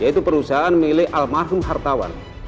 yaitu perusahaan milik almarhum hartawan